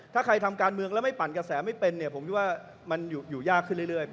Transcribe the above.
ถ้าใครทำการเมืองแล้วไม่ปั่นกระแสไม่เป็นเนี่ยผมคิดว่ามันอยู่ยากขึ้นเรื่อย